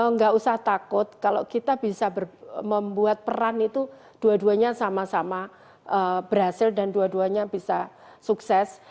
nggak usah takut kalau kita bisa membuat peran itu dua duanya sama sama berhasil dan dua duanya bisa sukses